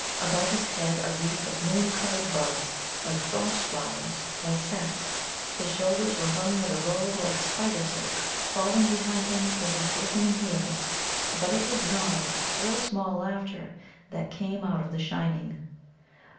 About his head a wreath of moon coloured buds like frost flowers was set. His shoulders were hung with a robe like spider silk falling behind him to his glistening heels. But it was Nod's shrill small laughter that came out of the shining.